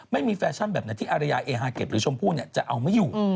แฟชั่นแบบไหนที่อารยาเอฮาเก็บหรือชมพู่จะเอาไม่อยู่